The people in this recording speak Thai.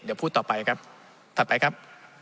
เดี๋ยวพูดต่อไปครับถัดไปครับ